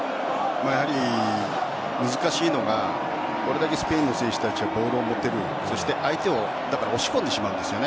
やはり難しいのがこれだけスペインの選手たちボールを持てる相手を押し込んでしまうんですよね。